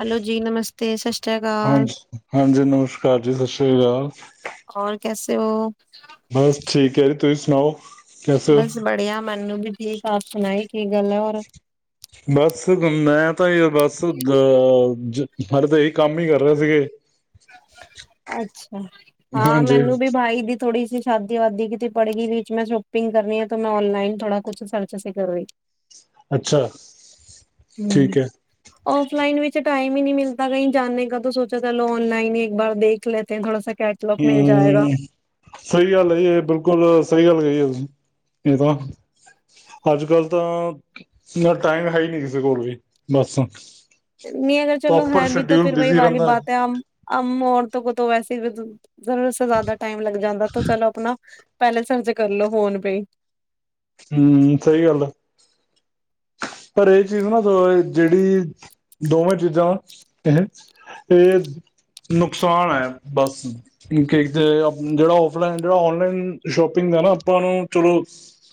Hello ਜੀ ਨਮਸਤੇ ਸਤਿ ਸ੍ਰੀ ਹ ਅਕਾਲ ਹਾਂਜੀ ਨਮਸਕਾਰ ਜੀ ਸਤਿ ਸ਼੍ਰੀ ਅਕਾਲ। ਉਹ, ਬਸ ਠੀਕ ਹੈ ਤੁਸੀਂ ਸੁਣਾਓ। ਕੈਸੇ ਹੋ ਬਸ ਬੜੀਆ, ਮੈਨੂੰ ਵੀ ਠੀਕ ਆਪ ਸੁਣਾਈ ਕੀ ਗੱਲ ਹੈ ਹੋਰ, ਬਸ ਮੈਂ ਤਾਂ ਬਸ ਅ ਹਡੇ ਤਾਂ ਇਹੀ ਕੰਮ ਹੀ ਕਰ ਰਹੇ ਸੀਗੇ ਅੱਛਾ ਹਾਂ ਹਾਂਜੀ ਮੈਨੂੰ ਵੀ ਬਾਈ ਦੀ ਥੋੜੀ ਸੀ ਸ਼ਾਦੀ ਵਾਦੀ ਕਿਤੇ ਪੜ ਗਈ ਵੀ ਮੈਂ ਸ਼ੋਪਿੰਗ ਕਰਨੀ ਆ ਮੈਂ ਔਨਲਾਈ ਥੋੜਾ ਕੁਛ ਸਰਚ ਅਸੀਂ ਕਰ ਰਹੀ ਅੱਛਾ ਠੀਕ ਹੈ ਹਮ ਫਲਾਈਨ ਵਿੱਚ ਟਾਈਮ ਹੀ ਨਹੀਂ ਮਿਲਦਾ ਕਹੀ ਜਾਣੇ ਕ ਤਾਂ ਸੋਚਾ ਚਲੋ ਔਨਲਾਈਨ ਹੀ ਇੱਕ ਬਾਰ ਦੇਖ ਲਤੇ ੋੜਾ ਹਮ ਸਹੀ ਗੱਲ ਹੈ ਇਹ ਬਿਲਕੁਲ ਸਹੀ ਗੱਲ ਗ ਇਹ ਤਾਂ ਅੱਜ ਕੱਲ ਤਾਂ ਟਾਈਮ ਹੈ ਹੀ ਨੀ ਕਿਸੇ ਕੋਲ ਵੀ ਬੱਸ ਨਹੀਂ ਅਗਰ ਚਲੋ ਹੈ ਵੀ ਫਿਰ ਵਹੀ ਵਾਲੀ ਰਹਿੰਦਾ ਹੈ ਬਾਤ ਹੈਮ ਔਰ ਤੋਂ ਵੈਸੇ ਜ਼ਿਆਦਾ ਟਮ ਲੱਗ ਜਾਂਦਾ ਚਲੋ ਆਪਣਾ ਪਹਿਲੇ ਸਰਚ ਕਰਲੋ ਫੋਨ ਪੇ ਹਮ ਸਹੀ ਗੱਲ ਆ ਪਰ ਇਹ ਚੀਜ਼ ਨਾ ਜਿਹੜੀ ਦੋਵੇਂ ਚੀਜ਼ਾਂ ਇਹ ਇਹ ਨੁਕਸਾਨ ਹੈ ਬਸ ਜਿਹੜਾ ਫਲਾਈਨ ਜਿਹੜਾ ਔਨਲਾਈਨ ਸ਼ੋਪਿੰਗ ਹੈ ਨਾ ਆਪਾਂ ਨੂੰ ਚਲੋ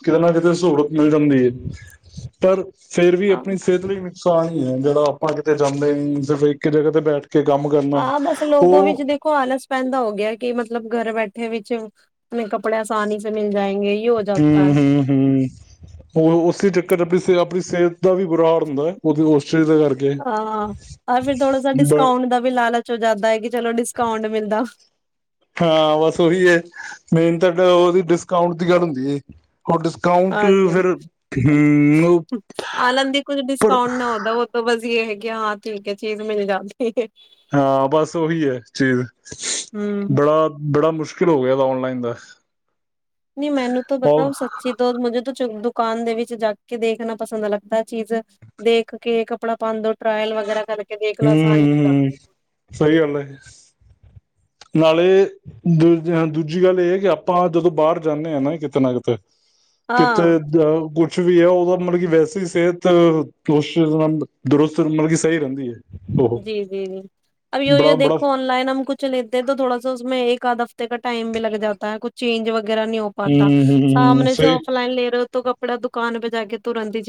ਕਿਤੇ ਨਾ ਕਿਤੇ ਸਹੂਲਤ ਮਿਲ ਜਾਂਦੀ ਹੈ ਪਰ ਫੇਰ ਵੀ ਆਪਣੀ ਹਾਂ ਸਿਹਤ ਲਈ ਸ ਹੀ ਹੈ ਜਿਹੜਾ ਆਪਾਂ ਕਿਤੇ ਜਾਂਦੇ ਸਿਰਫ ਇੱਕ ਜਗ੍ਹਾ ਤੇ ਬੈਠ ਕੇ ਕੰਮ ਕਰਨਾ ਹਾਂ ਬਸ ਲੋਕੋ ਉਹ ਵਿੱਚ ਦੇਖੋ ਆਲਸ ਪੈਂਦਾ ਹੋ ਗਿਆ ਕਿ ਮਤਲਬ ਘਰ ਬੈਠੇ ਥੇ ਵਿੱਚ ਆਪਣੇ ਕੱਪੜੇ ਆਸਾਨੀ ਸੇ ਮਿਲ ਜਾਏਗੇ ਹਮ ਹਮ ਹਮ ਉਹ ਉਸੇ ਚ ਆਪਣੀ ਆਪਣੀ ਸਿਹਤ ਦਾ ਵੀ ਬੁਰਾਾਲ ਹੁੰਦਾ ਹੈ ਉਹ [unintelligible] ਦਾ ਕਰਕੇ, ਬ ਚ ਜ਼ਿਆਦਾ ਹੈ ਕਿ ਹਾਂ ਬਸ ਉਹੀ ਹੈ, ਮੇਨ ਡ ਉਹਦੀ ਡਿਸਕਾਊਂਟ ਦੀ ਗੱਲ ਹੁੰਦੀ ਹੇ। ਹਾਂਜੀ। ਹਮ ਉੱਪਰ ਆਲੰਦੀ ਹੁਂ ਕੁਛ ਡਿਸਕਾਊਂਟ ਨਾ ਹੁਂਦਾ ਉਹ ਤਾ ਬਸ ਹੈਗੀ ਹਾਂ, ਠੀਕ ਹੈ। ਚੀਜ਼ ਮਿਲ ਜਾਂਦੀ ਹੈ। ਹਾਂ ਬਸ ਉਹੀ ਹੈ ਚੀਜ਼। ਬੜਾ-ਬੜਾ ਮੁਸ਼ਕਿਲ ਫਿਰ ਹੋ ਗਿਆ ਦਾ ਔਨਲਾਈਨ ਦਾ ਨਹੀਂ ਮੈਨੂੰ ਤਾਂ ਬਤਾ ਹਮ ਹੈ। ਸੱਚੀ ਦੋ [unintelligible] ਦੁਕਾਨ ਦੇ ਵਿੱਚ ਜਾ ਕੇ ਦੇਖਣਾ, ਪਸੰਦ ਲੱਗਦਾ ਹੈ। ਚੀਜ਼ ਦੇਖ ਕੇ ਕੱਪੜਾ ਪਾਉਣ ਦ ਟਰਾਇਲ ਵਗੈਰਾ ਕਰਕੇ ਦੇਖ ਲੋ ਆਸਾਨੀ ਹੋ ਹੁੱ, ਹੁੱ। ਸਹੀ ਗੱਲ ਹੇ। ਨਾਲੇ ਦ ਦੂਜੀ ਗੱਲ ਇਹ ਹੈ ਕਿ ਆਪਾਂ ਜਦੋਂ ਬਾਹਰ ਜਾਂਦੇ ਹਾਂ ਨਾ ਕਿਤੇ ਨਾ ਕਿਤੇ ਕਿੱਥੇ ਦ [unintelligible] ਕੁਛ ਵੀ ਹੈ ਉਹਦਾ ਮਤਲਬ ਕਿ ਵੈਸੇ ਸਿਹਤ ਦਰੁਸਤ ਮਤਲਬ ਕਿ ਸਹੀ ਰਹਿੰਦੀ ਹੈ। ਉਹ ਜੀ-ਜੀ-ਜੀ ਅ ਵਿਓ-ਵਿਓ ਬੜਾ ਬੜਾ ਦੇਖੋ ਔਨਲਾਈਨ ਹਮ ਕੁਛ ਤਾਂ ਥੋੜਾ ਉਸਮੇ ਇੱਕ ਕ ਹਫ਼ਤੇ ਕ ਟਾਈਮ ਵੀ ਲਗ ਜਾਦਾ ਹੈ ਕੁਛ ਚੇਜ ਵਗ ਵਗੈਰਾ ਨਹੀਂ ਹੋ ਪਾਤਾ ਹਮ ਹਮ ਸਾਹਮਣੇ ਸੇ ਸਹੀ ਔਫਲਾਈਨ ਲੈ ਰਹੇ ਹੋ ਤੋਂ ਕੱਪੜਾ ਦੁਕਾਨ ਪੇ ਜਾ ਕੇ ਤੁਰਨਤ ਦੀ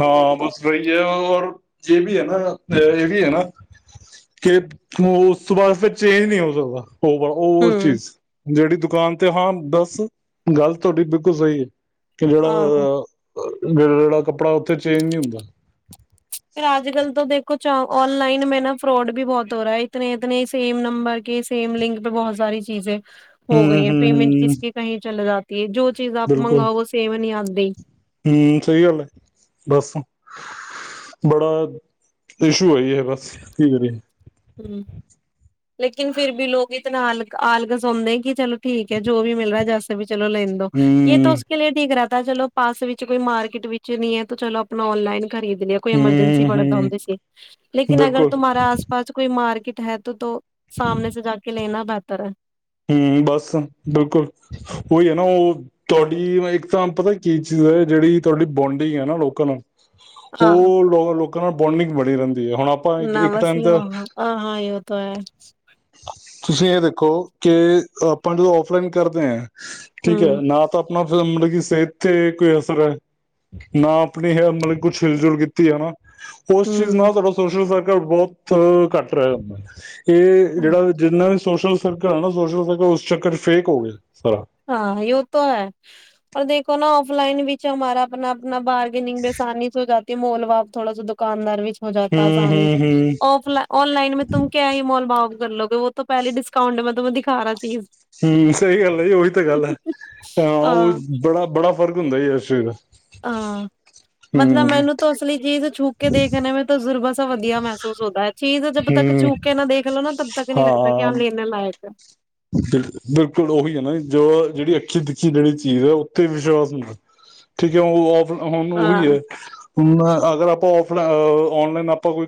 ਹਾਂ ਬਸ ਸਹੀ ਹੈ ਔਰ ਜੇ ਵੀ ਹੈ ਨਾ ਇਹ ਵੀ ਹੈ ਨਾ, ਕਿ ਉਸ ਤੋਂ ਬਾਅਦ ਫਿਰ ਚੇਂਜ ਨਹੀਂ ਹੋ ਸਕਦਾ। ਹੋਰ ਚੀਜ਼ ਜਿਹੜੀ ਦੁਕਾਨ ਤੇ ਹਾਂ ਬਸ, ਗੱਲ ਤੁਹਾਡੀ ਬਿਲਕੁਲ ਸਹੀ ਹੈ। ਕਿ ਜਿਹੜਾ ਜੜ ਜਿਹੜਾ ਕੱਪੜਾ ਫਿਰ ਚੇਂਜ ਨਹੀਂ ਹੁੰਦਾ ਕੁਛ ਔਨਲਾਈਨ ਮੇਂ ਨਾ ਫਰੋਡ ਵੀ ਬਹੁਤ ਹੋ ਰਿਹਾ ਹੈ। ਇਤੇ ਇਤਨੇ ਸੇਮ ਨੰਬਰ ਕੇ ਸੇਮ ਲਿੰਕ ਪੇ ਬਹੁਤ ਸਾਰੀ ਚੀਜ਼ੇ ਹੋ ਹੂੰ ਗਈ ਹੈ ਪੇਮੈਂਟ ਹੂੰ ਹੂੰ, ਕਿਸ ਕਹੀ ਚਲੇ ਜਾ ਤੇ ਜੋ ਚੀਜ਼ ਆਪ ਮੰਗਵਾਓੋ, ਸੇਮ ਨੀ ਆਂਦੀ ਤੇ ਹਮ। ਸਹੀ ਗੱਲ ਹੈ। ਬਸ ਬੜਾ ਇਸ਼ੂ ਆਈ ਹੈ, ਬਸ ਕੀ ਕਰਿਏ। ਹਮ ਲੇਕਿਨ ਫਿਰ ਵੀ ਲੋਕ ਇਤਨਾ ਆਲ ਆਲਕ ਸੁੌਦੇ ਕਿ ਚਲੋ ਠੀਕ ਹੈ ਜੋ ਵੀ ਮਿਲ ਰਿਹਾ ਹੈ ਜੈਸ ਚਲੋ ਲੈਨ ਦੋ ਇਹ ਤਾਂ ਹੂੰ ਉਸ ਠੀਕ ਰ ਤਾਂ ਚਲੋ ਪਾਸ ਵਿੱਚ ਕੋਈ ਮਾਰਕੀਟ ਵਿੱਚ ਨੀ ਹੈ ਤੇ ਚਲੋ ਆਪਣਾ ਔਨਲਾਈਨ ਖਰੀਦ ਲਿਆ ਕੋਈ ਐਮਰਜੈਂਸੀ ਹੂੰ ਪੜ੍ਹਦ ਹੂੰ ਹੁੰਦੀ ਸੀ ਲੇਕਿਨ ਅਗਰ ਤ ਬਿਲਕੁਲ ਤੁਮਾਰਾ ਕੋਈ ਮਾਰਕੀਟ ਹੈ ਤੋਂ-ਤੋਂ ਸਾਹਮਣੇ ਸੇ ਜਾ ਕੇ ਲੇਨਾ [unintelligible] ਹਮ ਬਸ ਬਿਲਕੁਲ ਉਹੀ ਹੈ ਨਾ ਉਹ ਤੁਹਾਡੀ ਇੱਕ ਤਾਂ ਪਤਾ ਕੀ ਚੀਜ਼ ਹੈ ਜਿਹੜੀ ਤੁਹਾਡੀ ਬੋਂਡਿੰਗ ਹੈ ਨਾ ਲੋਕਾਂ ਨਾਲ। ਉਹ ਲੋ ਲੋਕਾਂ ਨਾਲ ਬੋਂਡਿੰਗ ਬੜੀ ਰਹਿੰਦੀ ਹੈ ਹੁਣ ਆਪਾਂ ਇੱਕ ਟਾਈਮ ਤਾਂ ਤੁਸੀਂ ਇਹ ਦੇਖੋ ਕਿ ਆਪਾਂ ਜਦੋਂ ਔਫਲਾਈਨ ਕਰਦੇ ਹ। ਠੀਕ ਹੈ ਨਾ ਤਾਂ ਆਪਣਾ ਫਿਰ ਮਤਲਬ ਸਿਹਤ ਤੇ ਅਸਰ ਨਾ ਆਪਣੀ ਮਤਲਬ ਕੁਛ ਹਿਲ ਜੁਲ ਕੀਤੀ ਹਨਾ। ਉਸ ਚੀਜ਼ ਨਾਲ ਤੁਆਡਾ ਸੋਸ਼ਲ ਸਰਕਲ ਬਹੁਤ ਕਟ ਰਹ ਜਾਂਦਾ। ਇਹ ਜਿਹੜਾ ਵੀ ਜਿੰਨਾ ਵਿ ਸੋਸ਼ਲ ਸੋਸ਼ਲ ਸਕਲ ਉਸ ਚੱਕਰ ਚ ਫੇਕ ਹੋ ਗਿਆ। ਸਾਰਾ ਹਾਂ ਯੂ ਤੋਂ ਹੈ ਪਰ ਦੇਖੋ ਨਾ ਔਫਲਾਈਨ ਵਿੱਚ ਹਮਾਰਾ ਆਪਣਾ ਬਾਰਗਿੰਗ ਮੇਂ ਆਸਾਨੀ ਚ ਹੋ ਤੇ ਮੋਲ ਭਾਵ ਥੋੜਾ ਸਾ ਦੁਕਾਨਾਰ ਵਿੱਚ ਹੋ ਹੂੰ ਜਾਤਾ ਹੂੰ ਆਸਾਨੀ [unintelligible] ਹੂੰ ਔਫ ਔਨਲਾਈਨ ਮੈਂ ਤੁਮ ਕਿਆ ਹੀ ਮੋਲ ਭਾਵ ਕਰ ਲੋਗੇ ਵੋ ਤੋਂ ਪਹਿਲੀ ਡਿਸਕਾਊਂਟ ਮੈਂ ਤੂੰਮੈਂ ਦਿਖਾ ਰਿਹਾ ਚੀਜ਼। ਹਮ। ਸਹੀ ਗੱਲ ਹੈ ਜੀ ਉਹੀ ਤਾਂ ਗੱਲ ਹੈ ਹਾਂ ਉਹ ਬੜਾ-ਬੜਾ ਫਰਕ ਹੁੰਦਾ ਜੀ ਇਸ ਚੀਜ਼ ਦਾ। ਹਾਂ ਮਤਲਬ ਹੂੰ ਮੈਨੂੰ ਤਾਂ ਅਸਲੀ ਚੀਜ਼ ਛੂਕ ਕੇ ਦੇਖਣੇ ਮੈਂ ਤਜ਼ੁਰਬਸ ਵਧੀਆ ਮਹਿਸੂਸ [unintelligible] ਚੀਜ਼ ਜਦ ਤੱਕ ਚੂੱਕ ਕੇ ਨਾ ਦੇਖਲੋ ਨਾ ਤ ਪੱਕ ਨੀ ਲੱਗਦਾ ਹਾਂ ਆ ਲੇਨਾ ਲਾ [inaudible] ਬਿਲਕੁਲ ਉਹੀ ਹੈ ਨਾ ਜੋ ਜਿਹੜੀ ਅੱਖੀ ਤਖੀ ਜਿਹੜੀ ਚੀਜ਼ ਹੈ ਉੱਥੇ ਵਿਸ਼ਵਾਸ ਹੁੰਦਾ ਠੀਕ ਹੈ ਉਹ ਆਪ ਹੁਣ ਉਹੀ ਹੈ ਹੁਣ ਅਗਰ ਆਪਾਂ ਆਫ ਆਪਣਾ ਔਨਲਾਈਨ ਆਪਾਂ ਕੋਈ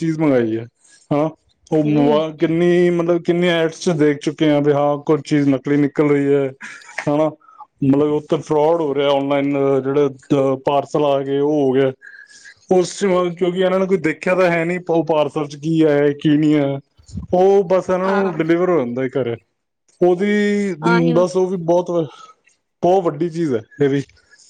ਚੀਜ਼ ਮੰਗਾਈ ਹੈ ਹਾਂ ਉਹ ਕਿੰਨੀ ਮਤਲਬ ਕਿੰਨੇ ਐਡਸ ਚ ਦੇਖ ਚੁੱਕੇ ਹ ਵੀ ਹਾਂ ਕੁਝ ਚੀਜ਼ ਨਕਲੀ ਨਿਕਲ ਰਹੀ ਹੈ। ਹਨਾ ਮਤਲਬ ਉਥੇ ਫਰੋਡ ਹੋ ਰਿਹਾ, ਆਨਲਾਈਨ ਜਿਹੜੇ ਪਾਰਸਲ ਆ ਗਏ ਉਹ ਹੋ ਗਿਆ ਉਸ ਕਿਉਂਕਿ? ਇਹਨਾਂ ਨੇ ਕੋਈ ਦੇਖਿਆ ਤਾਂ ਹੈ ਨੀ, ਉਹ ਪਾਰਸਲ ਚ ਕੀ ਹੈ, ਕੀ ਨਹੀਂ। ਹੈ। ਉਹ ਬੱਸ ਇਹਨਾਂ ਨੂੰ। ਹੋ ਜਾਂਦਾ ਘਰੇ [unintelligible] ਤੇ ਬਸ ਬਹੁਤ ਹੈ। ਬਹੁਤ ਵੱਡੀ ਚੀਜ਼ ਹੈ । ਇਹ ਵੀ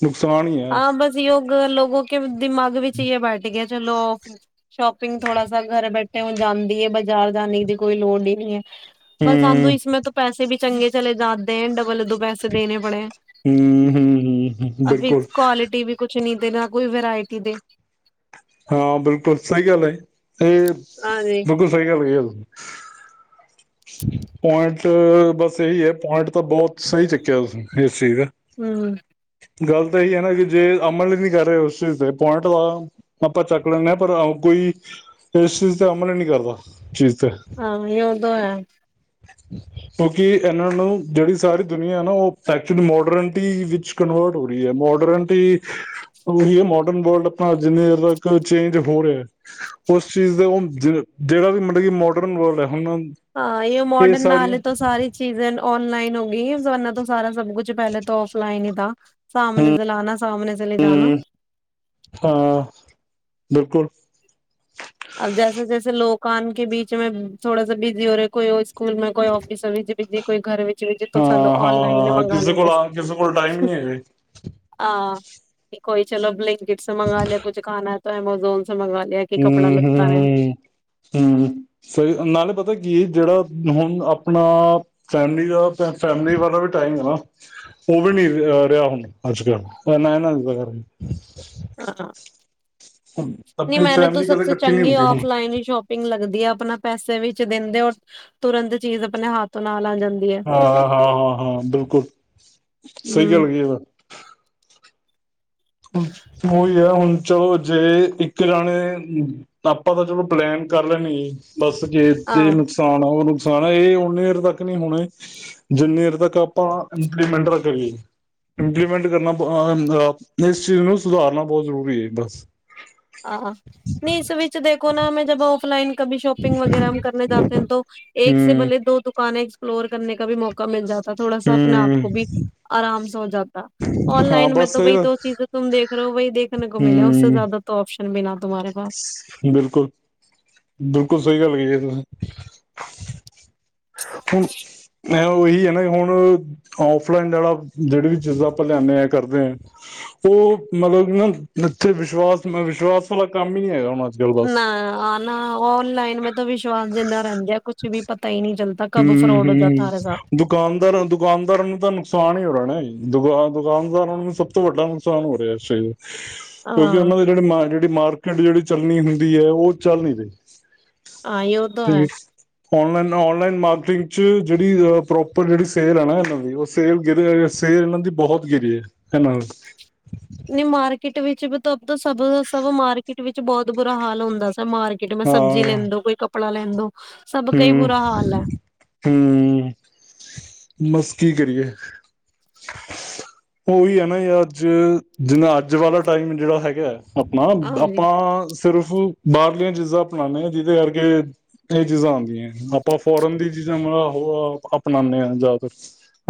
ਨੁਕਸਾਨ ਹੀ ਹੈ ਹਾਂ, ਬਸ ਯੋਗ ਲੋਕੋ ਕੇ ਦਿਮਾਗ ਵੀ ਵਿੱਚਏ ਬਾਰਟੀ ਚਲੋ ਔਫ ਸ਼ੋਪਿੰਗ ਥੋੜਾ ਸਾ ਘਰ ਬੈਠੇ ਹੁਣ ਜਾਂਦੀ ਹੈ। ਬਜ਼ਾਰ ਜਾਣੇ ਦੀ ਕੋਈ ਲੋੜ ਹੀ ਨਹੀਂ ਹੈ। ਬਸ ਹਮ ਆਉਂਦੇ ਇਸੇ ਤੋਂ ਪੈਸੇ ਵੀ। ਚੰਗੇ ਚਲੇ ਜਾਦੇ ਹੈ। ਡਬਲ ਤੋਂ ਹਮ ਹਮ ਹਮ ਬਿਲਕੁਲ ਟੀਵੀ ਕੁਛ ਨੀ ਦੇ ਨਾ ਕੋਈ ਵਰਾਇਟੀ ਹੈ [inaudible] ਹਾਂ ਬਿਲਕੁਲ ਸਹੀ ਗੱਲ ਏ। ਇਹ ਬਿਲਕੁਲ ਸਹੀ ਗੱਲ ਹੈ। ਤੁੂੰ [unintelligible] ਪੁਆਇੰਟ ਬਸ ਇਹੀ ਹੈ। ਪੁਆਇੰਟ ਤਾਂ ਬਹੁਤ ਸਹੀ ਚੁੱਕਿਆ ਤੁ [unintelligible] ਹਮ ਗੱਲ ਤਾਂ ਇਹੀ ਹੈ ਨਾ ਕਿ, ਜੇ ਅਮਲ ਹੀ ਨਹੀਂ ਕਰ ਰਹੇ ਉਸ ਚੀਜ਼ ਤੇ ਪੁਆਇੰਟ ਦਾ ਆਪਾਂ ਚੱਕ ਲੈਂਦੇ ਹਾਂ। ਪਰ ਕੋਈ ਇਸ ਚੀਜ਼ ਤੇ ਅਮਲ ਹੀ ਨਹੀਂ ਕਰਦਾ । ਹਾਂ ਯਉਦੋ ਹੈ। ਕਿਉਂਕਿ ਇਹਨਾਂ ਨੂੰ ਜਿਹੜੀ ਸਾਰੀ ਦੁਨੀਆ ਨਾ ਉਹ ਐਕਚੁਲੀ ਮੋਡਰਨਟੀ ਵਿੱਚ ਕਨਵਰਟ ਹੋ ਰਹੀ ਹੈ। ਮੋਡਰਨਿਟੀ ਉਹੀ ਹੈ ਮੋਡਰਨ ਵਰਲਡ ਆਪਣਾ ਜਿੰਨੀ ਦੇਰ ਤੱਕ ਚੇਂਜ ਹੋ ਰਿਹਾ, ਉਸ ਚੀਜ਼ ਦਾ ਉਹ ਜਿਹੜਾ ਵੀ ਮਤਲਬ ਕਿ ਮੋਡਰਨ ਵਰਲਡ ਹੈ। ਹੁਣ। ਇਹ ਮੋਡਰਨ ਨਾਲੇ ਤੋਂ, [unintelligible] ਸਾਰੀ ਚੀਜ਼ ਔਨਲਾਈਨ ਹੋ ਗਈ ਜ਼ਮਾਨਾ ਤੋਂ ਸਾਰਾ ਸਭ ਕੁਛ ਪਹਿਲਾਂ ਤੋਂ ਸਭ ਔਫਲਾਈਨ ਹੀ ਥਾ। ਸਾਮਣੇ ਚਲਾ ਆਣਾ ਸਾਮਣੇ ਚਲੇ ਜਾਣਾ ਹਮ [unintelligible] ਹਾਂ ਬਿਲਕੁਲ ਕਾਮ ਕੇ ਬੀਚ ਮ ਥੋੜਾੇ ਬਿਜ਼ੀ ਹੋ ਰਿਹਾ, ਕੋਈ ਉਹ ਸਕੂਲ ਮੈਂ, ਕੋਈ ਔਫਿਸ ਬਿਜ਼ੀ, ਕੋਈ ਘਰ ਵਿੱਚ। ਬਿਜੀ ਤਾਂ ਹਾਂ ਸਾਨੂੰ ਹਾਂ ਔਨਲਾਈਨ ਹਾਂ ਮੰਗਾ ਕਿਸੇ ਕੋਲ ਲੈਂਦੇ ਹੈ, ਸੀ ਕਿਸੇ ਕੋਲ ਟਾਈਮ ਨੀ ਹੈਗਾ। ਹਾਂ ਕੋਈ ਚਲੋ ਬਲਿੰਕ [unintelligible] ਕਿਟਸ ਮ ਮੰਗਵਾ ਲਿਆ ਕੁਛ ਖਾ [unintelligible] ਐਮਾਜ਼ੋਨ। ਮੰਗਵਾ ਲਿਆ ਕਿ? ਕੱਪੜਾ ਹਮ ਹਮ ਲਤਾ ਨੇ ਹਮ ਹਮ ਸਹੀ ਨਾਲੇ ਪਤਾ ਕੀ ਜਿਹੜਾ, ਹੁਣ ਆਪਣਾ ਫੈਮਿਲੀ ਦਾ, ਫੈਮਲੀ ਵਾਲਾ ਵੀ ਟਾਈਮ ਹੈ, ਨਾ ਉਹ ਵੀ ਨੀ ਰਿਹਾ ਹੁਣ ਅੱਜ ਕੱਲ ਨਾ ਇਹਨਾਂ ਦਾ ਕਰ। ਹਾਂ ਨਹੀਂ ਆਪਣੀ ਮੈਨੂੰ ਤਾਂ ਫੈਮਿਲੀ ਕਦੇ ਸਭਤੋਂ ਇਕੱਠੀ ਨੀ ਚੰਗੀ ਹੁੰਦੀ ਹੁਣ ਔਫਲਾਈਨ ਹੀ ਸ਼ੋਪਿੰਗ ਲੱਗਦੀ ਹੈ। ਆਪਣਾ ਪੈਸੇ ਵਿੱਚ ਦਿੰਦੇ ਹੁਨ ਤੁਰੰਤ ਚੀਜ਼ ਆਪਣੇ ਹੱਥ ਨਾਲ ਆ ਜਾਂ ਹਾਂ ਹਾਂ ਹਾਂ ਹਾਂ ਬਿਲਕੁਲ ਸਹੀ ਗੱਲ ਹਮ ਕਹੀ। ਉਹੀ ਹੈ ਹੁਣ ਚਲੋ ਜੇ ਇੱਕ ਜਾਣੇ ਆਪਾਂ ਤਾਂ ਚਲੋ ਪਲੈਨ ਕਰ ਲੈਣੀ। ਬਸ ਖੇਤ ਹਾਂ ਦੇ ਨੁਕਸਾਨ ਆ ਓਹਨੂ। ਸਾਰਾ ਇਹ ਓਹਨੀ ਦੇਰ ਤੱਕ ਨਹੀਂ ਹੋਣਾਐ ਜਿੰਨੀ ਦੇਰ ਤੱਕ ਆਪਾਂ ਇੰਪਲੀਮੈਂਟ ਨਾ ਕਰੀਏ ਇੰਪਲੀਮੈਂਟ ਕਰਨਾ ਇਸ ਚੀਜ਼ ਨੂੰ ਸੁਧਾਰਨਾ ਬਹੁਤ ਜ਼ਰੂਰੀ ਹੈ ਬਸ। ਆਹ ਨਹੀਂ ਇਸ ਵਿੱਚ ਦੇਖੋ ਨਾ ਮੈਂ ਜਬ ਔਫਲਾਈਨ ਕਭੀ ਸ਼ੋਪਿੰਗ ਵਗੈਰਾ ਹਮ ਕਰਨੇ ਜਾਤੇ ਹੈ ਤੋਂ ਐਕ ਸੇ ਹਮ ਭਲੇ ਦੋ ਦੁਕਾਨੇ ਐਕਸ ਪਲੋਰ ਕਰਨੇ ਕਾ ਭੀ ਮੌਕਾ ਮਿਲ ਜਾ ਤਾਂ ਥੋੜਾ ਸਾਂ ਆਪਣੇ ਆਪ ਹਮ ਕੋ ਭੀ ਆਰਾਮ ਸਾ ਹੋ ਜਾਤਾ ਹਾਂ ਔਨਲਾਈਨ ਮੇ ਬਸ ਤੋ ਸਹੀ ਬਈ ਗੱਲ ਜੌ ਚੀਜ਼ ਤੁਮ ਦੇਖ ਰਹੇ ਹੋ ਵਹਿ ਦੇਖਨੇ ਕੋ ਮਿਲੇ ਉਸ ਸੇ ਹਮ ਜ਼ਿਆਦਾ ਤੋਂ ਸ਼ਨ ਬਿਨਾਂ। ਬਿਲਕੁਲ ਬਿਲਕੁਲ ਸਹੀ ਗੱਲ ਕਹੀ ਹੈ। [unintelligible] ਐ ਓਹੀ ਹੈ ਨਾ ਹੁਣ ਔਫਲਾਈਨ ਵਾਲਾ ਜਿਹੜੀ ਵੀ ਚੀਜ਼ਾਂ ਆਪਾਂ ਲਿਆਣੇ ਆ ਕਰਦੇ ਹ ਉਹ ਮਤਲਬ ਨਾ ਇੱਥੇ ਵਿਸ਼ਵਾਸ ਵਿਸ਼ਵਾਸ ਵਾਲਾ ਕੰਮ ਹੀ ਨੀ ਹੈਗਾ ਓਨਾਂ ਨਾ ਆ ਨਾ ਔਨਲਾਈਨ ਮੈਂ ਤਾਂ ਵਿਸ਼ਵਾਸ ਜਿੰਦਾ ਰਹਿੰਦੇ ਆ ਕੁਛ ਵੀ ਪਤਾ ਹੀ ਨਹੀਂ ਚੱਲ ਹਮ ਹ ਹਮ ਦੁਕਾਨਦਾਰਾਂ ਦੁਕਾਨਦਾਰਾਂ ਨੂੰ ਤਾਂ ਨੁਕਸਾਨ ਹੀ ਹੋ ਰਿਹਾ ਦੁ ਦੁਕਾਨਦਾਰਾਂ ਨੂੰ ਸਭ ਤੋਂ ਵੱਡਾ ਨੁਕਸਾਨ ਹੋ ਰਿਹਾ ਸਹੀ ਐ। ਕਿਉਂਕਿ ਉਹਨਾਂ ਦੇ ਜਿਹੜੇ ਮਾ ਮਾਰਕੀਟ ਜਿਹੜੀ ਚੱਲਣੀ ਹੁੰਦੀ ਹੈ ਉਹ ਚੱਲ ਨੀ ਰਹੀ। ਆਹ ਯੋ ਤੋ ਹੈ। ਔਨ ਲਾਈਨ ਮਾਰਕੀਟਿੰਗ ਚ ਜਿਹੜੀ ਅ ਪ੍ਰੋਪਰ ਜਿਹੜੀ ਸੇਲ ਹੈ ਨਾ ਇਹਨਾਂ ਦੀ ਉਹ ਸੇਲ ਗੀਰੀ ਸੇਲ ਇਹਨਾਂ ਦੀ ਬਹੁਤ ਗਿਰੀ ਹੈ ਇਹਨਾਂ ਦੀ। ਨੀ ਮਾਰਕੀਟ ਵਿਚ ਵੀ ਬਤ ਦਾ ਸਬ ਸਭ ਮਾਰਕੀਟ ਵਿਚ ਬਹੁਤ ਬੁਰਾ ਹਾਲ ਹੁੰਦਾ ਸੀ। ਮਾਰਕੀਟ ਮੇ ਸਬਜੀ ਲੈਂਦੋ ਕੋਈ ਕਪ ਕੱਪੜਾ ਲੈਂਦੋ। ਸਭ ਕਈ ਬੁਰਾ ਹਾਲ ਹੈ ਹੂੰ-ਹੂੰ, ਬਸ ਕੀ ਕਰੀਏ ਓਹੀ ਹੈ ਨਾ ਜਾ ਅੱਜ ਜਿੰਨਾ ਅੱਜ ਵਾਲਾ ਟਾਈਮ ਜਿਹੜਾ ਹੈਗਾ। ਆਪਨਾ ਹਾਂਜੀ ਆਪਾਂ। ਸਿਰਫ ਬਾਹਰਲੀਆਂ ਚੀਜ਼ਾਂ ਅਪਣਾਣੇ ਆ ਜਿਹਦੇ ਕਰਕੇ ਚੀਜ਼ਾਂ ਆਉਦੀਆਂ ਆਪਾਂ ਫੋਰਨ ਦੀ ਚੀਜ਼ਾਂ ਉਹ ਅਪਣਾਉਨੇ ਆ ਜ਼ਿਆਦਾ।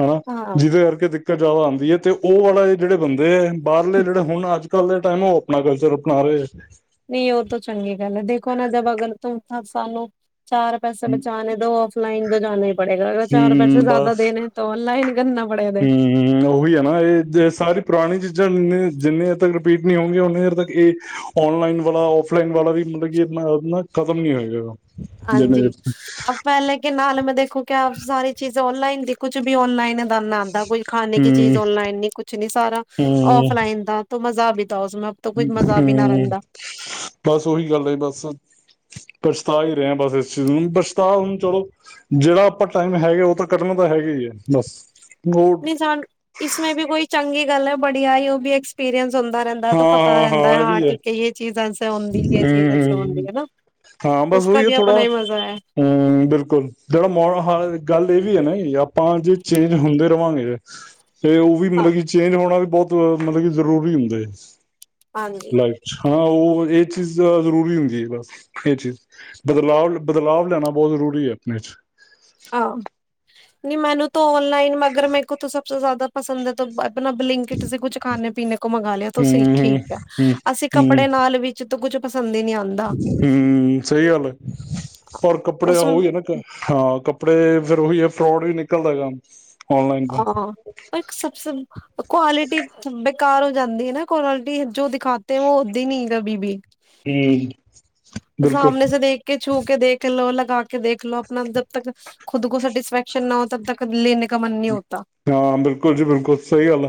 ਹਨਾ ਹਾਂ ਜਿਹਦੇ ਕਰਕੇ ਦਿਕ ਕਰਜਾਵਾ ਆਦੀ ਹੈ ਤੇ ਉਹ ਵਾਲਾ ਐ ਜਿਹੜੇ ਬੰਦੇ ਹੈ। ਬਾਹਰਲੇ ਜਿਹੜਾ ਹੁਣ ਅ ਕੱਲ ਦੇ ਟੈਮ ਉਹ ਆਪਣਾ ਕਲਚਰ ਅਪਣਾ ਰਹੇ। ਨਹੀਂ ਉਹ ਤਾਂ ਚੰਗੀ ਗੱਲ ਹੈ ਦੇਖੋ ਨਾ ਜਦ ਅਗਰ ਤ ਤਾਂ ਸਾਨੂੰ, ਚਾਰ ਪੈਸੇ ਬਚਾਨੇ ਦੋ ਔਫਲਾਈਨ ਤੋਂ ਜਾਨਾ ਹੀ ਪੜੇਗਾ ਅਗਰ ਚਾਰ ਪੈਸੇ ਹਮ ਜ਼ਿਆਦਾ ਬਸ ਦੇਣੇ ਤਾਂ ਔਨਲਾਈਨ, ਹੂੰ ਉਹੀ ਹੈ ਨਾ ਇਹ ਸਾਰੀ ਪੁਰਾਣੀ ਚ, ਜਾਂਨੇ ਜਿੰਨੇ ਹਰ ਤੱਕ ਰਿਪੀਟ ਨਹੀਂ ਹੋਗੇ ਉਨੇ ਹਰ ਤੱਕ ਇਹ ਔਨਲਾਈਨ ਵਾਲਾ ਔਫਲਾਈਨ ਵਾਲਾ ਵੀ ਮਤਲਬ ਖਤਮ ਨੀ ਹੋਏਗਾਗਾ। ਹਾਂਜੀ ਅ ਪਹਿਲੇ ਕੇ ਨਾਲ ਮੈਂ ਦੇਖੋ ਕਿਆ ਸਾਰੀ ਚੀਜ਼ ਔਨਲਾਈਨ ਕੁਝ ਵੀ ਔਨਲਾਈਨ ਦਨਾ ਆਦਾ ਕੋਈ ਖਾਨੇ ਕੀ ਹੂੰ ਚੀਜ਼ ਔਨਲਾਈਨ ਨੀ ਕੁਛ ਨੀ ਸਾਰਾ ਹੂੰ ਔਫਲਾਈਨ ਦਾ, ਮਜ਼ਾ ਵੀ, ਹੂੰ ਬਸ ਉਹੀ ਗੱਲ ਬਸ, ਪਛਤਾ ਹੀ ਰਹੇ ਹਾਂ ਬਸ ਇਸ ਚੀਜ਼ ਨੂੰ ਪਛਤਾ ਹੁਣ ਚਲੋ ਜਿਹੜਾ ਆਪਾਂ ਟਾਈਮ ਹੈਗਾ ਉਹ ਤਾਂ ਕੱਢਣਾ ਤਾਂ ਹੈਗਾ ਹੀ ਹੈ। ਬਸ ਉਹ ਇਨਸਾਨ ਇਸਮੇ ਵੀ ਕੋਈ ਚੰਗੇ, ਗੱਲ ਹੈ ਬੜੀ ਆਈ ਉਹ ਵੀ ਐਕਸਪੀਰੀਅੰਸ, ਹਾਂ-ਹਾਂ-ਹਾਂ, ਇਹ ਵੀ ਹੈ ਹੂੰ, ਹਾਂ ਬਸ ਉਹੀ ਹੈ ਥੋੜਾ ਹੂੰ ਬਿਲਕੁਲ ਜਿਹੜਾ ਮਹੋਲ ਗੱਲ ਇਹ ਵੀ ਹੈ ਨਾ ਆਪ ਆਪਾਂ ਜੇ ਚੇਂਜ ਹੁੰਦੇ ਰਹਾਂਗੇ। ਤੇ, ਤੇ ਉਹ ਵੀ ਮਤਲਬ ਕਿ ਚੇਂਜ ਹੋਣਾ ਵੀ ਬਹੁਤ ਮਤਲਬ ਕਿ ਜ਼ਰੂਰੀ ਹੁੰਦੇ ਹੈ ਹਾਂਜੀ ਹ ਲਾਈਫ ਚ ਹਾਂ ਉਹ ਇਹ ਚੀਜ਼ ਜ਼ਰੂਰੀ ਹੁੰਦੀ ਹੈ ਬਸ ਇਹ ਚੀਜ਼ ਬਦਲਾਵ ਬਦਲਾਵ ਲੈਣਾ ਬਹੁਤ ਜ਼ਰੂਰੀ ਹੈ ਆਪਣੇ 'ਚ ਹਾਂ ਨਹੀਂ ਮੈਨੂੰ ਤਾਂ ਔਨਲਾਈਨ ਮਗਰ ਮੈ ਕੋ ਸਬ ਤੋਂ ਜ਼ਿਆਦਾ ਪਸੰਦ ਹੈ ਆਪਣਾ ਬਲਿੰਕਟ ਕੁੱਛ ਖਾਣੇ ਪੀਣੇ ਕੋ ਮੰਗਵਾ ਲਿਆ ਤੁਸੀਂ ਹੂੰ ਠੀਕ ਹੈ ਹੂੰ ਅਸੀਂ ਹੂੰ ਕੱਪੜੇ ਨਾਲ ਵਿੱਚ ਤੋਂ ਕੁਝ ਹੂੰ ਸਹੀ ਗੱਲ ਪਰ ਕੱਪੜੇ ਉਸ ਉਹੀ ਹੈ ਨਾ ਹਾਂ ਕੱ ਕੱਪੜੇ ਫੇਰ ਉਹੀ ਹੈ ਫਰੋਡ ਵੀ ਨਿਕਲਦਾ ਕੰਮ ਹਾਂ ਸਭ ਕੁਵਾਲਿਟੀ ਬੇਕਾਰ ਹੋ ਜਾਂਦੀ ਹੈ ਨਾ ਕੁਆਲਿਟੀ ਜੋ ਦਿਖਾਤੇ ਹੈ ਵੋ ਹੁੰਦੀ ਨੀ ਹੂੰ ਬਿਲਕੁਲ ਸਾਮ੍ਹਣੇ ਦੇ ਦੇਖ ਕੇ ਛੂ ਕੇ ਦੇਖ ਲੋ ਲੱਗ ਕੇ ਦੇਖ ਲੋ ਆਪਣਾ ਜਬ ਤੱਕ ਖੁਦ ਕੋ ਸੈਟਿਸਫੈਕਸ਼ਨ ਨਾ ਹੋ ਤਬ ਤੱਕ ਲੈਣੇ ਹਾਂ ਬਿਲਕੁਲ ਜੀ ਬਿਲਕੁਲ ਸਹੀ ਗੱਲ ਆ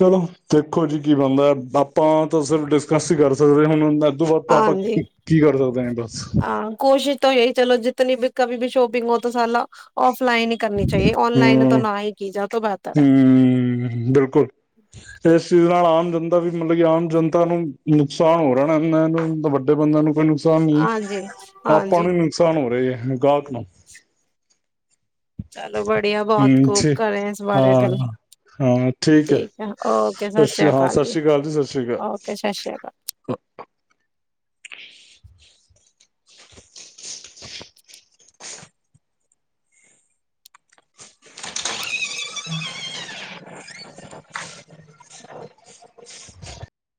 ਚਲੋ ਦੇਖੋ ਜੀ ਕੀ ਬਣਦਾ ਹੈ ਆਪਾਂ ਤਾਂ ਸਿਰਫ ਡਿਸਕਸ ਹੀ ਕਰ ਸਕਦੇ ਹੁਣ ਉਸ ਤੋਂ ਬਾਅਦ ਤਾਂ ਆਪਾਂ ਕੀ ਕਰ ਸਕਦੇ ਆ ਬਸ ਤਾ ਏਹ ਚਲੋ ਜਿੱਤਨੀ ਬੀ ਕਭੀ ਭੀ ਸ਼ੋਪਿੰਗ ਹੋ ਤੋ ਸਾਲਾ ਔਫ ਹੂੰ ਹੂੰ, ਬਿਲਕੁਲ ਇਸ ਚੀਜ਼ ਨਾਲ ਆਮ ਜਨਤਾ ਵੀ ਮਤਲਬ ਕਿ ਆਮ ਜਨਤਾ ਨੂੰ ਨੁਕਸਾਨ ਹੋ ਰਿਹਾ ਐਨਾਂ ਨੂੰ ਵੱਡੇ ਬੰਦਾ ਨੂੰ ਤੇ ਨੁ ਨੁਕਸਾਨ ਨੀ ਆਪਾਂ ਨੂੰ ਈ ਨੁਕਸਾਨ ਹੋ ਰਹੇ ਐ। ਗਾਹਕ ਨੂੰ। ਚਲੋ ਬੜੀਆ ਬਹੁਤ ਹੂੰ ਖੂਬ ਠੀਕ ਕਰੇ ਇਸ ਬਾਰੇ ਗੱਲ ਹਾਂ ਠੀਕ ਹੈ ਓਕੇ ਸਤਿ ਸ੍ਰੀ ਅੱਛਾ ਹਾਂ ਅਕਾਲ ਸਤਿ ਜੀ, ਸ਼੍ਰੀ ਅਕਾਲ ਸਤਿ ਸ਼੍ਰੀ ਅਕਾਲ ਓਕੇ ਸਤ ਸ੍ਰੀ ਅਕਾਲ।